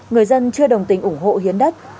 người dân chưa đồng tính ủng hộ hiến đất